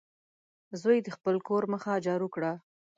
زوی د خپل کور مخه جارو کړه.